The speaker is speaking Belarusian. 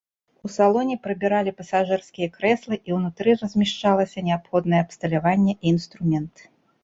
У салоне прыбіралі пасажырскія крэслы і ўнутры размяшчалася неабходнае абсталяванне і інструмент.